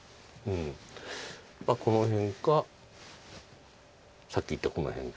まあこの辺かさっき言ったこの辺か。